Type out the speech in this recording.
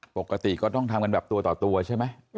ปกติก็ต้องทำกันแบบตัวต่อตัวใช่ไหม